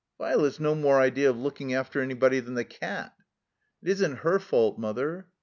"Vi'let's no more idea of looking after anybody than the cat." "It isn't her fault, Mother."